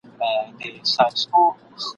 جهاني خپل جنون له ښاره بې نصیبه کړلم ..